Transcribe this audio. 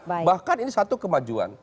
bahkan ini satu kemajuan